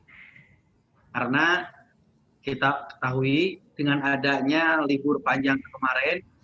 karena kita ketahui dengan adanya libur panjang kemarin